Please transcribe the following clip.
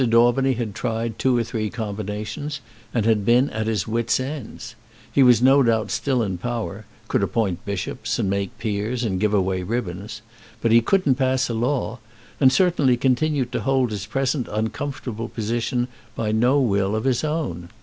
Daubeny had tried two or three combinations, and had been at his wits' end. He was no doubt still in power, could appoint bishops, and make peers, and give away ribbons. But he couldn't pass a law, and certainly continued to hold his present uncomfortable position by no will of his own.